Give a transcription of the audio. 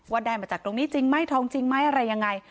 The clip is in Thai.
ว่าได้มาจากตรงนี้จริงไหมทองจริงไหมอะไรยังไง